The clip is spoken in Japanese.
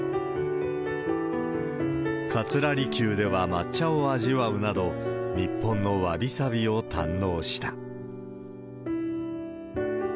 桂離宮では抹茶を味わうなど、日本のわびさびを堪能した。